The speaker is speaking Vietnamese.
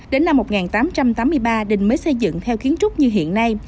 đến năm một nghìn tám trăm tám mươi ba đình mới xây dựng theo kiến trúc như hiện nay